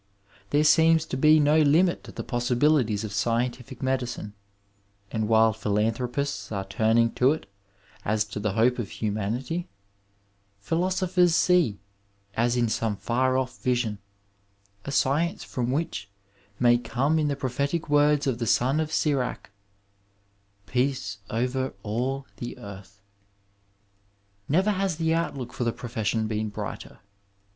There seems to be no limit to the possibilities of scientific medicine, and while philanthropists are turning to it as to the hope of human ity, philosophers see, as in some far off vision, a science from which may come in the prophetic words of the Son of Sirach, " Peace over all the earth.'' Never has the outlook for the profession been brighter.